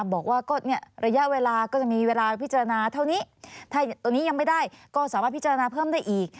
บอกว่าก็เนี่ยระยะเวลาก็จะมีเวลาพิจารณาเท่านี้ถ้าตัวนี้ยังไม่ได้ก็สามารถพิจารณาเพิ่มได้อีก